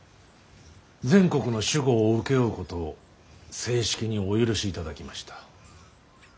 全国の守護を請け負うことを正式にお許しいただきました。